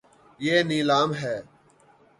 یے نیلا م ہے